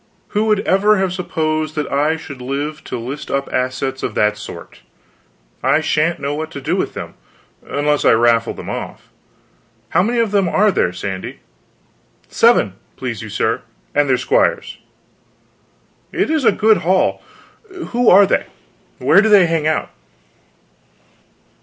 "Who would ever have supposed that I should live to list up assets of that sort. I shan't know what to do with them; unless I raffle them off. How many of them are there, Sandy?" "Seven, please you, sir, and their squires." "It is a good haul. Who are they? Where do they hang out?"